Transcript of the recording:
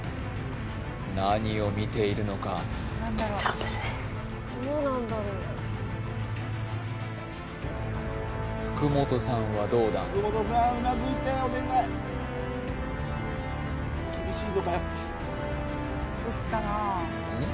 何を見ているのか福本さんはどうだうん？